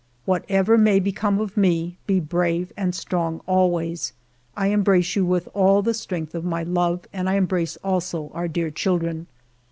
Whatever may be come of me, be brave and strong always. I em brace you with all the strength of my love and I embrace also our dear children.